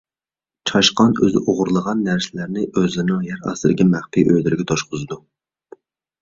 چاشقان ئۆزى ئوغرىلىغان نەرسىلەرنى ئۆزلىرىنىڭ يەر ئاستىدىكى مەخپىي ئۆيلىرىگە توشقۇزىدۇ.